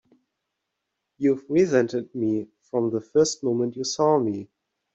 You've resented me from the first moment you saw me!